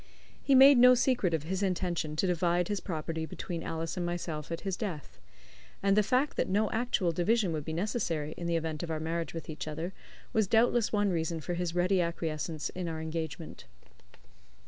He made no secret of his intention to divide his property between Alice and myself at his death; and the fact that no actual division would be necessary in the event of our marriage with each other was doubtless one reason for his ready acquiescence in our engagement.